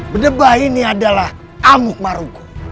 bedebah ini adalah amuh marugo